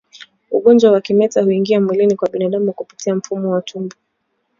Ugonjwa wa kimeta huingia mwilini kwa binadamu kupitia mfumo wa utumbo